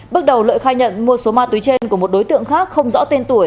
bước đầu lợi khai nhận mua số ma túy trên của một đối tượng khác không rõ tên tuổi